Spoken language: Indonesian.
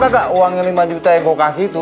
lu tau gak uangnya lima juta yang gue kasih itu